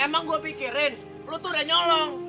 eh emang gue pikirin lo tuh udah nyolong